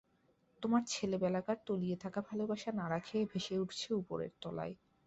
তোমার ছেলেবেলাকার তলিয়ে-থাকা ভালোবাসা নাড়া খেয়ে ভেসে উঠছে উপরের তলায়।